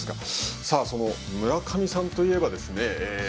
その村上さんといえばですね